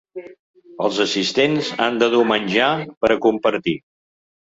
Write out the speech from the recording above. Els assistents han de dur menjar per a compartir.